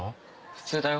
普通だよ。